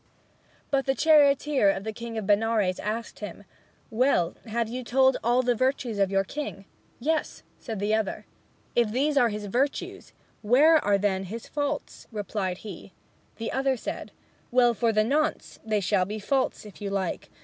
But the charioteer of the king of Benares asked him, "Well, have you told all the virtues of your king?" "Yes," said the other. "If these are his virtues, where are then his faults?" replied he. The other said, "Well, for the nonce, they shall be faults, if you like!